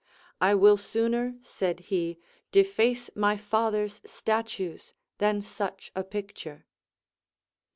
I will sooner, said he, deface my father's statues, than such a picture.